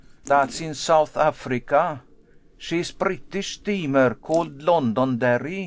Dat's in South Africa. She's British steamer called Londonderry.